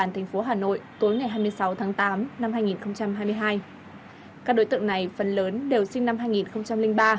các thành phố hà nội tối ngày hai mươi sáu tháng tám năm hai nghìn hai mươi hai các đối tượng này phần lớn đều sinh năm hai nghìn ba